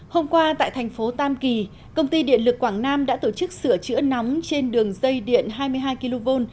hôm qua tại thành phố tam kỳ công ty điện lực quảng nam đã tổ chức sửa chữa nóng trên đường dây điện hai mươi hai kv